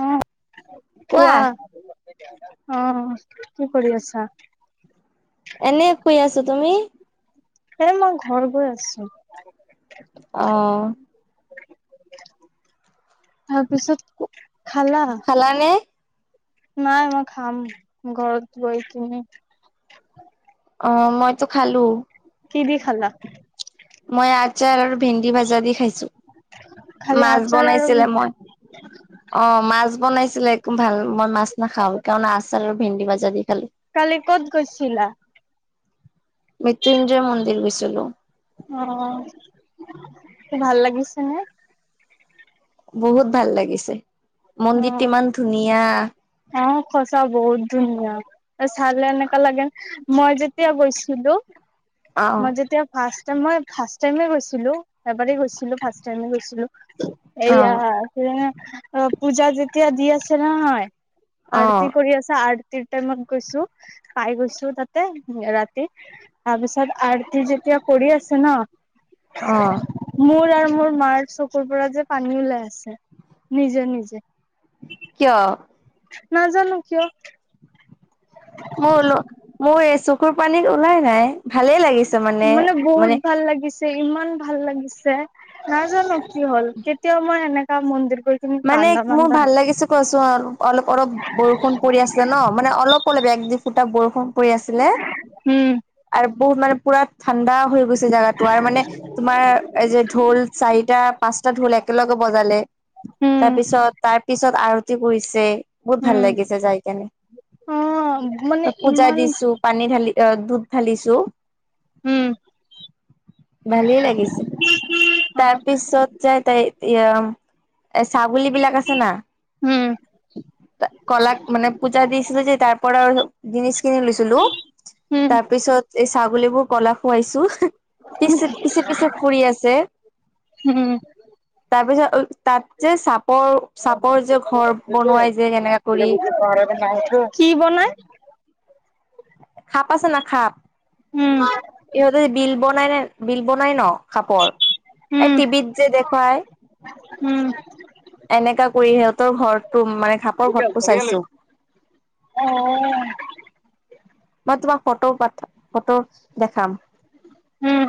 অ কোৱা। অ কি কৰি আছা? এনে শুই আছো তুমি। এ মই ঘৰ গৈ আছো। অহ। তাৰপিছত খালা? খালানে নাই মই খাম ঘৰত গৈ তুমি অ মইতো খালো কি দি খালা মই আচাৰ আৰু ভেন্দি ভাজা দি খাইছো খালি মাছ আচাৰ আৰু বনাইছিলে মই অ মাছ বনাইছিলে একো ভাল মই মাছ নাখাও সেই কাৰনে আচাৰ আৰু ভেন্দি ভাজা দি খালো কালি ক'ত গৈছিলা মৃত্যুঞ্জয় মন্দিৰ গৈছিলো অ ভাল লাগিছে নে বহুত ভাল লাগিছে অ মন্দিৰটো ইমান ধুনীয়া অ সচা বহুত ধুনীয়া চালে এনেকা লাগে মই যেতিয়া গৈছিলো আহ মই যেতিয়া ফা মই ফাৰ্ষ্ট টাইম এ গৈছিলো এবাৰেই গৈছিলো ফাৰ্ষ্ট টাইম এ গৈছিলো আহ এইয়া সেইয়া অ পূজা যেতিয়া দি আছে নহয় আহ আৰতি কৰি আছে আৰ ৰাতিৰ টাইমত গৈছো পাই গৈছো তাতে ৰাতি তাৰপিছত আৰতি যে যেতিয়া কৰি আছে ন অ মোৰ আৰু মোৰ মাৰ চকুৰ পৰা যে পানী ওলাই আছে নিজে নিজে কিয় নাজানো কিয় মোৰ ওল মোৰ এই চকুৰ পানী ওলাই নাই ভালেই লাগিছে মানে বহুত মানে ভাল লাগিছে ইমান ভাল লাগিছে নাজানো কি হল কেতিয়াও মই এনেকা মন্দিৰ গৈ কিনে মানে কান্দা মোৰ মান্দা নাই ভাল লাগিছে কোৱাচোন অলপ অলপ বৰষুণ পৰি আছে ন মানে অলপ অলপ একদিন যেতিয়া বৰষুণ পৰি আছিলে উম আৰু বহুত মানে পুৰা ঠাণ্ডা হৈ গৈছিল জেগাতো আৰু মানে তোমাৰ এই যে ঢোল চাৰিটা পাঁচটা ঢোল একেলগে বজালে তাৰ উম পিছত তাৰ পিছত আৰতি কৰিছে বহুত ভাল উম লাগিছে যাই অ মানে কেনে পূজা ইমান দিছো পানী ঢালিছো অ দুধ ধালিছো উম ভালেই লাগিছে অ তাৰপিছত যাই তাই এ এ ছাগলী বিলাক আছে না উম কলাক মানে পূজা দিছিলো যে তাৰ পৰা আৰু জিনিচ কিনি লৈছিলো হম তাৰ পিছত এই ছাগলী বোৰ ক'লা খুৱাইছো পিছে পিছে পিছে ফুৰি আছে উম তাৰপিছত তাত যে চাপৰ চাপৰ যে ঘৰ বনোৱাই যে এনেকা কৰি [unintelligible] কি বনাই [inaudible] খাপ আছে না খাপ উম ইহঁতে বিল বনাই নে বিল বনাই ন খাপৰ এ উম তিভিত যে দেখায় উম এনেকা কৰি সিহঁতৰ ঘৰটো মানে ঘাপৰ ঘৰটো চাইছো অ', মই তোমাক ফটো পাথা ফটো দেখাম। উম,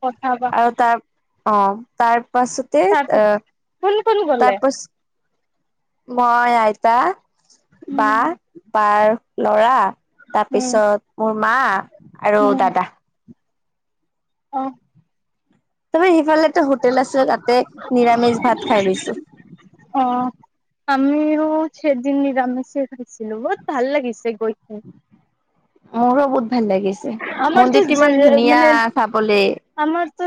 পথাবা। আৰু তাৰ অ', তাৰ পাছতে আহ কোন কোন গলে তাৰপাছ মই আইতা, বা, উম বাৰ ল'ৰা। উম তাৰপিছত মোৰ মা আৰু উম দাদা। অ'। তুমি সিফালে এটা হোটেল আছে, তাতে নিৰামিষ ভাত খাই লৈছো। অ আমিও চেইদিন নিৰামেষ খাইছিলো বহুত ভাল লাগিছে গৈকিনে। মোৰো বহুত ভাল লাগিছে আমাৰতো মন্দিৰটো ইমান ধুনীয়া মানে চাবলে। আমাৰতো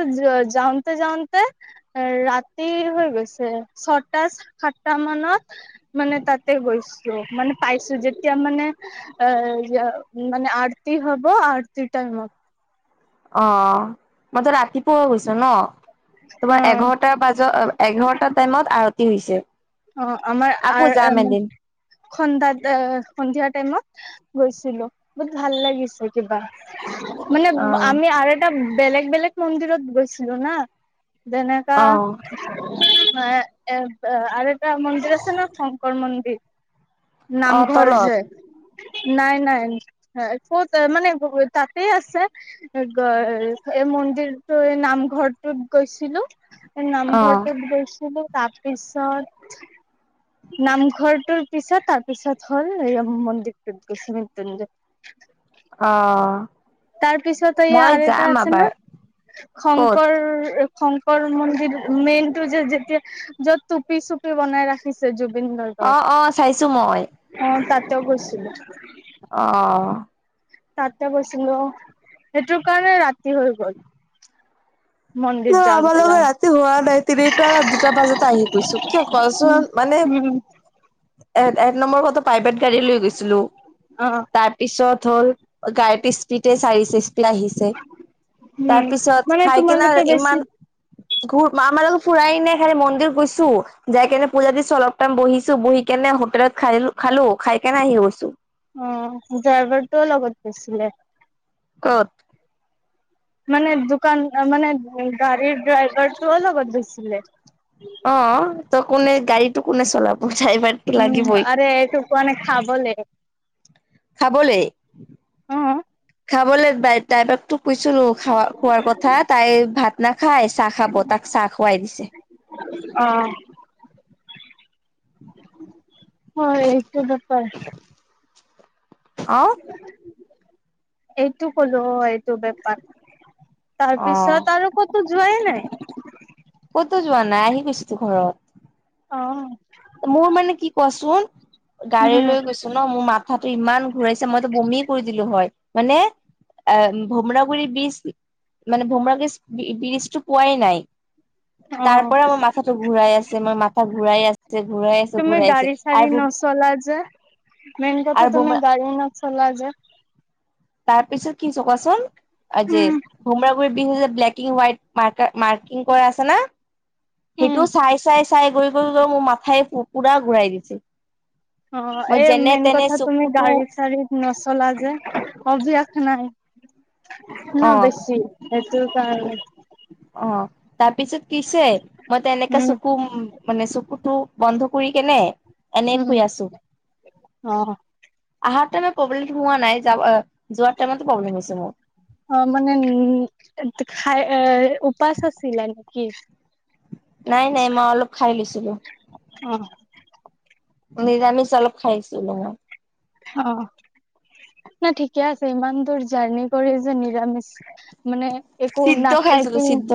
যাওঁতে যাওঁতে ৰাতি হৈ গৈছে। ছটা-সাতটা মানত মানে তাতে গৈছো। মানে পাইছো যেতিয়া মানে অ', মানে আৰতি হব। তিটাই অ', মই তো ৰাতিপুৱা গৈছো ন। অ তোমাৰ এঘাৰটাৰ বাজত এঘাৰটা টাইমত আৰতি হৈছে। অ', আমাৰ আকৌ যাম এদিন খন্দাত সন্ধিয়া টাইমত। গৈছিলো বহুত ভাল লাগিছে, কিবা মানে অ আমি আৰু এটা বেলেগ, বেলেগ মন্দিৰত গৈছিলো না যেনেকা অ এ, আৰু এটা মন্দিৰ আছে ন শংকৰ মন্দিৰ। অ নামঘৰ তলত যে। নাই, নাই ক'ত মানে তাতেই আছে। এই মন্দিৰটো এই নামঘৰটোত গৈছিলো, অ নামঘৰটোত গৈছিলো। তাৰপিছত নামঘৰটোৰ পিছত তাৰপিছত হ'ল এই মন্দিৰটোত গৈছোঁ মৃত্যুঞ্জয়। অ'। তাৰপিছত এই মই আৰু এটা যাম আছে ন আবাৰ ক'ত শংকৰ শংকৰ মন্দিৰ মেইন টো যে যেতিয়া য'ত টুপি- চুপি বনাই ৰাখিছে জু জুবিন অ গাৰ্গৰ অ চাইছো মই অ', তাতেও গৈছিলো। অ'। তাতে গৈছিলো সেইটো কাৰণে ৰাতি হৈ গ'ল। মন্দিৰ অ, আমাৰ যাওঁতে লগত যাওঁতে ৰাতি হোৱা নাই। তিনিটা দুটা বজতে আহি গৈছো, কিয় কচোন মানে উম এ, এক নম্বৰ কথা প্ৰাইভেট গাড়ী লৈ গৈছিলো, অ তাৰ পিছত ধল গাড়ীটো স্পিডে চাৰি আহিছে উম তাৰপিছত মানে খাই কিনাৰ তোমালোকে বেছি ইমান ঘ আমাৰ লগত ফুৰাই নে খালি মন্দিৰ গৈছো, যাই কেনে পূজা দিছো অলপাম বহিছো বহি কেনে হোটেলত খাই খালো খাই কেনে আহি গৈছোঁ। অ ড্ৰাইভাৰটোও লগত গৈছিলে। ক'ত? মানে দোকান মানে গাড়ীৰ ড্ৰাইভাৰটো অ লগত গৈছিলে। অ', ত কোনে গাড়ীটো কোনে চলাব। ড্ৰাইভাৰটো উম লাগিবই আৰেএইটো কোৱা নাই খাবলে। খাবলে। অ খাবলৈ বাই ড্ৰাইভাৰক তোক কৈছিলো খ খোৱাৰ কথা তাই ভাত নাখাই, চাহ খাব তাক চাহ খোৱাই দিছে। অ'। হয় এইটো বাপাৰ। অ'। এইটো কলো এইটো বেপাৰ, অ তাৰপিছত আৰু কতো যোৱায়েই নাই। ক'তো যোৱা নাই, আহি গৈচোতো ঘৰত। অ মোৰ মানে কি কুৱাচোন? গাড়ী উম লৈ গৈছো ন, মোৰ মাথাটো ইমান ঘূৰাইছে মইতো বমি কৰি দিলো হয়, হৈ নে। এহ, ভোমৰাাগুড়িৰ বীজ মানে ভোমৰাগুৰি বীজটো পোৱাই নাই। অ তাৰ পৰা মই মাথাটো ঘূৰাই আছে, মই মাথা ঘূৰাই আছে। ঘূৰাই আছে তুমি ঘূৰাই আছে গাড়ী চড়ী আৰু নছলা যে। মেইন কথা তমি আৰু গাড়ী নছলা যে। তাৰ পিছত কিছো কোৱাচোন, যে উম [unintelligible] [unintelligible] ব্লেকিং হোৱাইট মাৰ্কাৰ মাৰ্কিং কৰা আছে না উম সেইটোৱ চাই-চাই চাই গৈ- গৈ-গৈ মোৰ মাথাই পুৰা ঘূৰাই দিছে। অ, মই এই যেনে মেইন তেনে কথা তুমি চকুতো গাড়ী চাড়ীত নছলা যে। অভ্যাস নাই অ ন' বেছি সেটো কাৰণে। অ তাৰপিছত কৈ হৈছে মই তেনেকা উম চুকুম মানে চকুতো বন্ধ কৰি কেনে এনে উম, শুই অ, আহা টাইমে প্ৰব্লেম পোৱা নাই যাবা যোৱাৰ টাইমত প্ৰব্লেম হৈছে মোৰ। তে খাই এ উপাচ আছিলা নেকি? নাই-নাই মই অলপ খাই লৈছিলোঁ। অ', নিৰামিচ অলপ খাইছিলোঁ মই। অ, নাই ঠিকে আছে ইমান দূৰ জাৰ্ণি কৰি যে নিৰামিচ মানে একো সিদ্ধ নাখাই খাইছিলো পিনে সিদ্ধ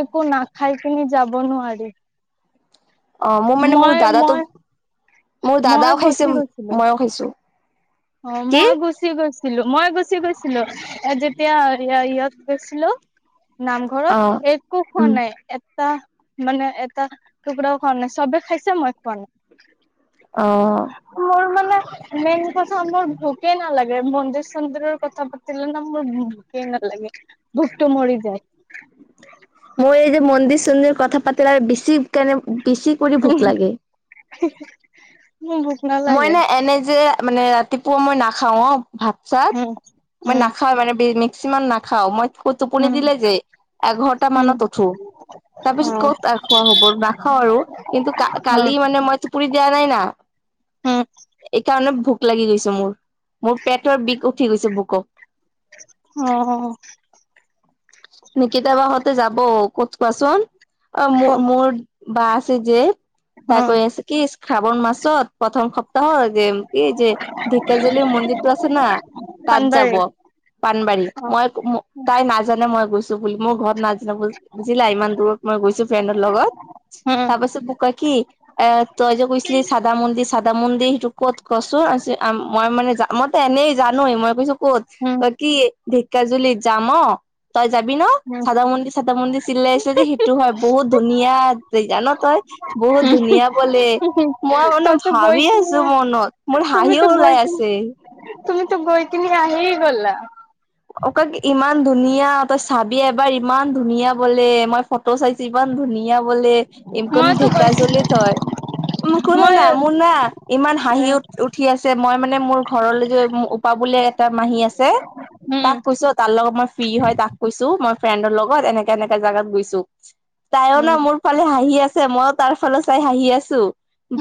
একো নাখাই পিনি যাব নোৱাৰি। অ মোৰ মানে মোৰ দাদাটো মই-মই মোৰ মই দাদাও খাইছে গুছি গৈছিলোঁ। মইও খাইছো। অ, কি? মই গুচি গৈছিলো - মই গুচি গৈছিলো এ যেতিয়া ইয়া-ইয়ত গৈছিলোঁ নামঘৰত অ'। একো খোৱা উম। নাই এত এটা মানে এটা টুকুৰাও খোৱা নাই চবে খাইছে মই খোৱা নাই। অ'। মোৰ মানে মেইন সঁচা মোৰ ভোকে নালাগে মন্দিৰ-চন্দিৰৰ কথা পাতিলে ন' মোৰ ভোকে নালাগে। ভোকটো মৰি যায়। মোৰ এই যে মন্দিৰ-চন্দিৰ কথা পাতিলে আৰু বেছিকেনে বেছি কৰি ভোক লাগে। হে হে মই এনে এনে যে মানে ৰাতিপুৱা মই নাখাও ভাত-চাত উম মই উম নাখাওঁ মানে বিৰ্নি চিমান নাখাওঁ, মই টোপনি উম দিলে যে এঘটা উম মানত উঠো। অ তাৰপিছত ক'ত আৰু খোৱা হ'ব নাখাওঁ আৰু কিন্তু কা অ কালি মানে মই টোপনি দিয়া নাই না উম এইকাৰণে ভোক লাগি গৈছে মোৰ। মোৰ পেটৰ বিষ উঠি গৈছে বুক'। অ নিকিতা বাহতে যাব ক'ত কোৱাচোন? অ মোৰ ক'ত মোৰ বা আছে যে তাই অ কৈ আছে কি শ্ৰাৱণ মাছত প্ৰথম সপ তাহ যেম এই যে ঢেকীয়াজুলি মন্দিৰটো আছে ন, তাত যাব। পানবাৰী পানবাৰী অ মই তাই নাজানে মই গৈছোঁ মোৰ ঘৰত নাজাব বুজিলা ইমান দূুৰৰত মই গৈছোঁ ফ্ৰেণ্ডৰ লগত উম তাৰ পাছত মোক কই কি এ তই যে কৈছিলি চাদা মন্দি চাদা মন্দিৰ সিটো ক'ত কছো আছে, মই মানে মই তো এনেই জানোয়ে মই কৈছো ক'ত উম ক কি ঢেকিয়াজুলি যাম অ তই যাবি ন, উম চাদ মন্দিৰ চাদ মন্দিৰ চিলাই আছ' যে সেইটো হয়। বহুত ধুনীয়া জেগা ন তই বহুত ধুনীয়া বলে, মই বোলো তইতো গৈ ভাবি আছোঁ কিনে মনত মোৰ হাঁহি তুমিতো গৈ ওলাই কিনে আছে। তুমিতো গৈকিনি আহি গ'লা অ'ক ইমান ধুনীয়া তই চাবি এবাৰ ইমান ধুনীয়া বলে, মই ফটো চাইছোঁ ইমান ধুনী নীয়া বোলি, ইনকম মইতো গৈছিলো ঢেকীয়াজুলিত হয়। কোনো কোনো মই নাই, মোৰ না, ইমান হাঁহি উম উঠ উঠি আছে। মই মানে মোৰ ঘৰলৈ যে উ পা বোলে এটা মাহী আছে। উম তাক কৈছোঁ, তাৰ লগত মই ফ্ৰী হয়। তাক কৈছোঁ, মই ফ্ৰেণ্ডৰ লগত এনেকে এনেকা জাগাত গৈছোঁ। তাইও উম ন, মোৰ ফালে হাঁহি আছে, মইও তাৰ ফালে চাই হাঁহি আছোঁ।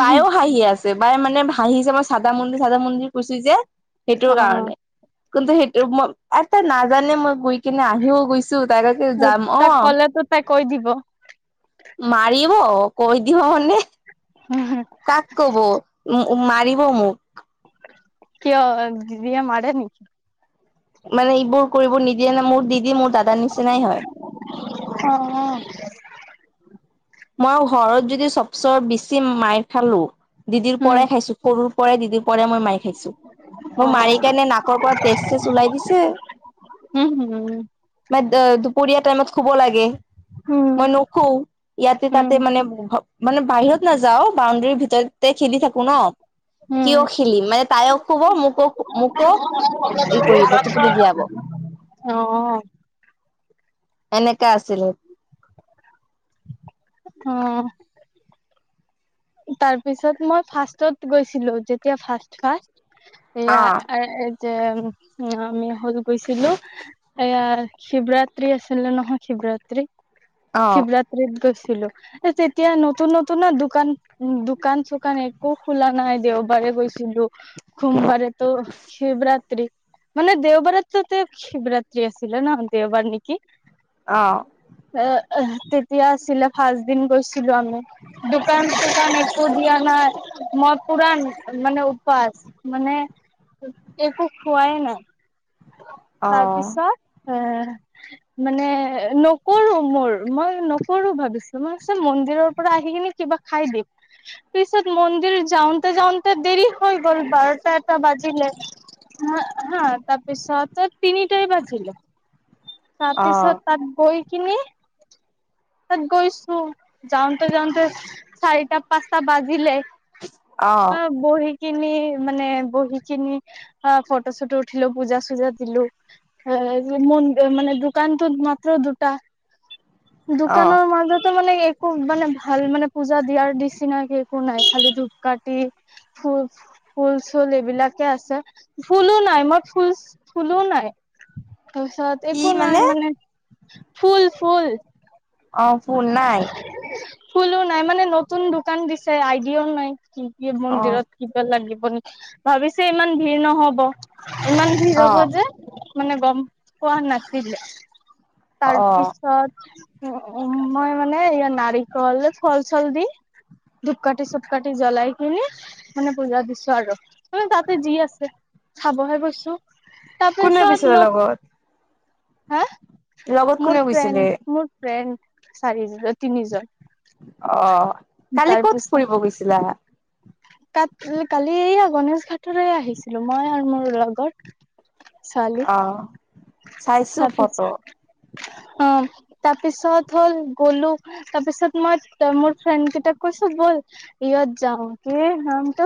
বায়ো হাঁহি আছে। বায় মানে হাঁহিছে। মই চাদা মন্দিৰ, চাদা মন্দিৰ কৈছোঁ যে। সেইটোৰ কাৰণে, অ কিন্তু, সেইটো মই এটা নাজানো, মই গৈ কিনে আহিও গৈছোঁ। চো' তাকাকে যাম তাক অ'। ক'লেতো তাই কৈ দিব মাৰিব কৈ দিব মানে? কাক ক'ব, উম মাৰিব মোক? কিয় দিদিয়ে মাৰে নিকি? মানে, এইবোৰ কৰিব নিদিয়ে না? মোৰ দিদি মোৰ দাদাৰ নিচিনাই হয়। উম মই ঘৰত যদি চবছে বেছি মাইৰ খালোঁ। দিদিৰ উম পৰাই খাইছোঁ। সৰুৰ পৰাই দিদিৰ পৰাই মই মাইৰ খাইছোঁ। মোৰ মাৰি কেনে নাকৰ পৰা তেজ, তেজ ওলাই দিছে। অ', উম দুপৰীয়া টাইমত শুব লাগে, উম মই নুশুওঁ। ইয়াতে-তাতে, মানে-মানে, বাহিৰত নাযাওঁ, বাউণ্ডৰীৰ ভিতৰতে খেলি থাকোঁ ন। উম কিয় খেলিম মানে, তাইও শুব, মো ক মো ক এই কৰিব টোপনি দিয়াব। অ'। এনেকা আছিলে। অ'। তাৰ পিছত মই ফাৰ্ষ্টত গৈছিলোঁ, যেতিয়া ফাৰ্ষ্ট ফাৰ্ষ্ট। অ এয়া যে আমি হেৰি গৈছিলোঁ। এয়া শিৱৰাত্ৰি আছিলে নহয়, শিৱৰাত্ৰি, অ শিৱৰাত্ৰিত গৈছিল। তেতিয়া নতুন নতুন দোকান, দোকান-চোকান একো খোলা নাই। দেওবাৰে গৈছিলোঁ। সোমবাৰেতো শিৱৰাত্ৰি মানে, দেওবাৰতোতে শিৱৰাত্ৰি আছিল ন? দেওবাৰ নিকি? অ'। তেতিয়া আছিলে, ফাৰ্ষ্ট দিন গৈছিলোঁ আমি দোকান একো দিয়া নাই মই পুৰান মানে উপাস মানে। একো খোৱাই নাই, অ তাৰপিছত এ মানে নকৰোঁ মোৰ, মই নকৰোঁ ভাবিছোঁ, মই মন্দিৰৰ পৰা আহি কিনে কিবা খাই দিম, পিছত মন্দিৰ যাওঁতে যাওঁতে দেৰি হৈ গ'ল, বাৰটা-এটা বা বাজিলে মই হা তাত পিছতে তিনিটাই বাজিল, তাৰপিছত অ তাত গৈ কিনি তাত গৈছোঁ, যাওঁতে যাওঁতে চাৰিটা-পাঁচটা বাজিলে। অ'। কিনি মানে বহি কিনি, ফটো-ছটো উঠিলোঁ, পূজা-চুজা দিলোঁ। মানে দোকানতো মাত্ৰ দুটা। অ' দোকানৰ মাজতো, মানে, একো, মানে, ভাল, মানে পূজা দিয়াৰ নিচিনাকে একো নাই, খালি ধূপকাঠি, ফুল-ফুল, চুল, এইবিলাক আছে, ফুলো নাই, মই ফুল, ফুলো নাই। একো নাই মানে ফুল-ফুল। অ ফুল নাই ফুলো নাই মানে নতুন দোকান দিছে আইডিয়াও নাই কি ই অ' মন্দিৰত কিবা লাগিব ন ভাবিছে ইমান ভিৰ নহব ইমান ভিৰ হব অ' যে মানে গম পোৱা নাছিলে অ' তাৰপিছত উম, মই মানে ই নাৰিকল ফল-চল দি, ধূপকাঠি-চুপকাঠি জ্বলাই কিনি মানে পূজা দিছো আৰু মানে তাতে যি আছে। খাবহে গৈছো, কোনে তাৰপিছত গৈছিলে ন। লগত? হা? লগত কোনে মোৰ গৈছিলে? ফ্ৰেণ্ড, মোৰ ফ্ৰেণ্ড চাৰি, তিনিজন। অ' কালি ক'ত ফুৰিব গৈছিলা? কাত কালি এইয়া গনেশগুৰি ফালেই আহিছিলো মই আৰু মোৰ লগৰ। অ'। চাইছো ফটো। তাৰপিছ অঁ তাৰ পিছত হ'ল গ'লো তাৰপিছত মই মোৰ ফ্ৰেণ্ড কেইটাক কৈছো ব'ল যাও সেই